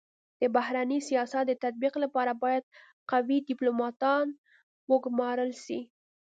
د بهرني سیاست د تطبیق لپاره بايد قوي ډيپلوماتان و ګمارل سي.